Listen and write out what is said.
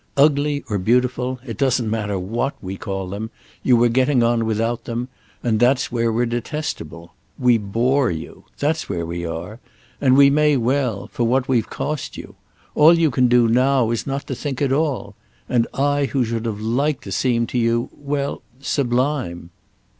Ugly or beautiful—it doesn't matter what we call them—you were getting on without them, and that's where we're detestable. We bore you—that's where we are. And we may well—for what we've cost you. All you can do now is not to think at all. And I who should have liked to seem to you—well, sublime!"